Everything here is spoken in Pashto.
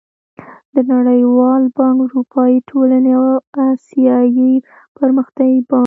د نړېوال بانک، اروپايي ټولنې او اسيايي پرمختيايي بانک